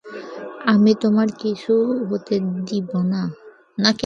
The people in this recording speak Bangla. আমি তোমার কিছু হতে দিব না।